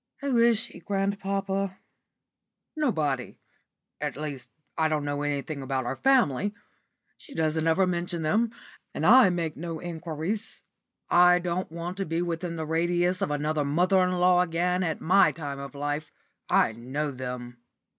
"Who is she, grandpapa?" "Nobody; at least I don't know anything about her family. She doesn't ever mention them, and I make no enquiries. I don't want to be within the radius of another mother in law again at my time of life I know them.